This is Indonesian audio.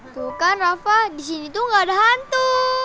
tuh kan rafa di sini tuh gak ada hantu